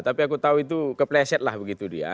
tapi aku tahu itu kepleset lah begitu dia